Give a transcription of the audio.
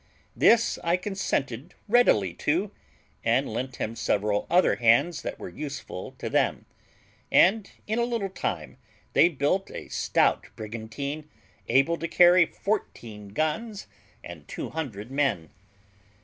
This I consented readily to, and lent him several other hands that were useful to them; and in a little time they built a stout brigantine, able to carry fourteen guns and 200 men.